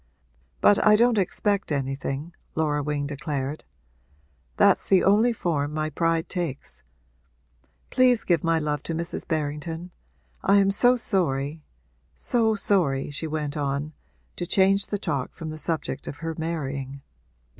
But I don't expect anything,' Laura Wing declared. 'That's the only form my pride takes. Please give my love to Mrs. Berrington. I am so sorry so sorry,' she went on, to change the talk from the subject of her marrying.